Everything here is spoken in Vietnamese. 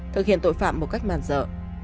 thực hiện tội phạm một cách màn dở